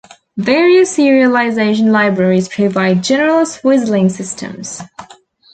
Various serialization libraries provide general swizzling systems.